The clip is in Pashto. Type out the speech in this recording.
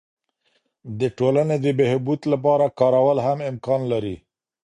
د ټولني د بهبود لپاره کارول هم امکان لري.